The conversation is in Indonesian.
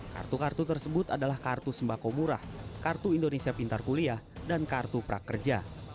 kartu kartu tersebut adalah kartu sembako murah kartu indonesia pintar kuliah dan kartu prakerja